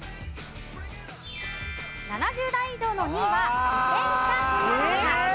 ７０代以上の２位は自転車ホニャララ。